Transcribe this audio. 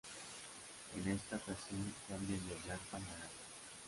En esta ocasión cambian del blanco al naranja.